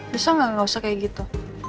bisa gak gak usah kayak gitu